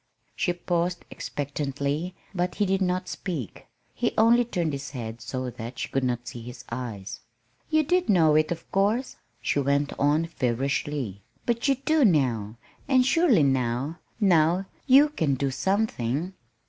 She paused expectantly, but he did not speak. He only turned his head so that she could not see his eyes. "You did not know it, of course," she went on feverishly. "But you do now. And surely now, now you can do something."